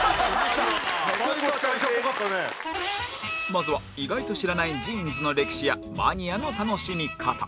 まずは意外と知らないジーンズの歴史やマニアの楽しみ方